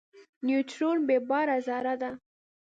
نیوترون بېباره ذره ده.